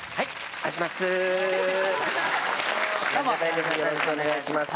よろしくお願いします。